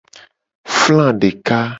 Fla deka.